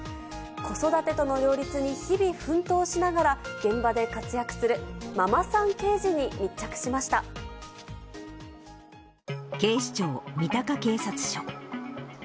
子育てとの両立に日々奮闘しながら、現場で活躍する警視庁三鷹警察署。